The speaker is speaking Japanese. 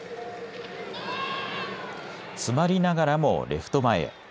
詰まりながらもレフト前へ。